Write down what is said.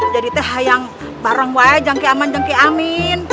jadi teh hayang bareng wae jangki aman jangki amin